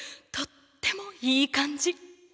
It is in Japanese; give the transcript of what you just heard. とってもいい感じ！